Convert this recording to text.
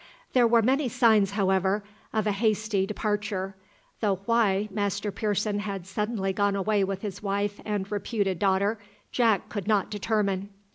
There were many signs, however, of a hasty departure, though why Master Pearson had suddenly gone away with his wife and reputed daughter Jack could not determine.